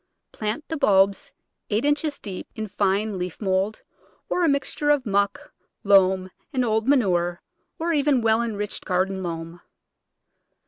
Plant the bulbs eight inches deep in fine leaf mould, or a mixture of muck, loam and old manure, or even well enriched garden loam.